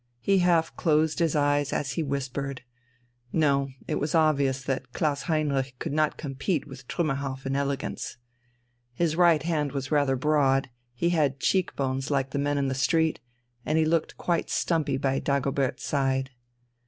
He half closed his eyes as he whispered.... No, it was obvious that Klaus Heinrich could not compete with Trümmerhauff in elegance. His right hand was rather broad, he had cheek bones like the men in the street, and he looked quite stumpy by Dagobert's side.